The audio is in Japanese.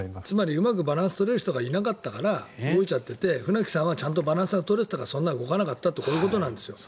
つまりうまくバランスを取れる選手がいなかったから動いちゃってて、船木さんはちゃんとバランスを取れてたからそんな動かなかったというそういうことなんです。